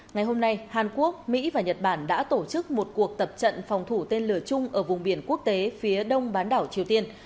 ngày hôm nay hàn quốc mỹ và nhật bản đã tổ chức một cuộc tập trận phòng thủ tên lửa chung ở vùng biển quốc tế phía đông bán đảo triều tiên